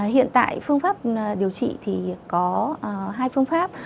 hiện tại phương pháp điều trị thì có hai phương pháp